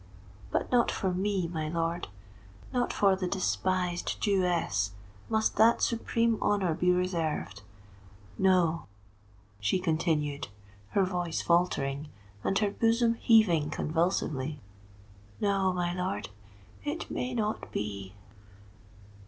But not for me, my lord—not for the despised Jewess must that supreme honour be reserved. No," she continued, her voice faltering, and her bosom heaving convulsively,—"no, my lord,—it may not be!"